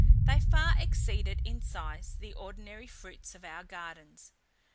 They far exceeded in size the ordinary fruits of our gardens.